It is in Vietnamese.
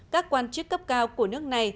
các quan chức cấp cao của nước này